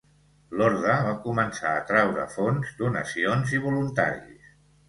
L'orde va començar a atraure fons, donacions i voluntaris.